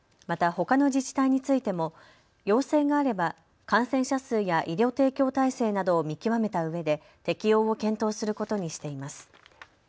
またほかの自治体についても要請があれば感染者数や医療提供体制などを見極めたうえで適用を検討することにしています。